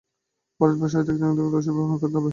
ভারতবর্ষ হইতে একজনকে ঐ সভায় প্রেরণ করিতে হইবে।